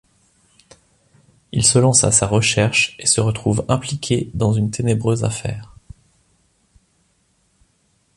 Il se lance à sa recherche et se retrouve impliqué dans une ténébreuse affaire.